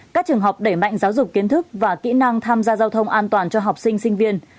các trường học đẩy mạnh giáo dục kiến thức và kỹ năng tham gia giao thông an toàn cho học sinh sinh viên